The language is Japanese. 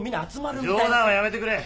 冗談はやめてくれ！